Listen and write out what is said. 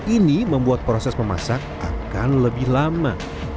ini membuat proses memasak akan lebih lama